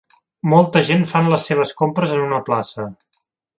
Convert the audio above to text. Molta gent fan les seves compres en una plaça.